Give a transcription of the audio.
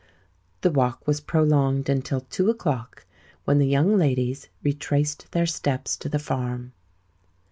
The walk was prolonged until two o'clock, when the young ladies retraced their steps to the farm.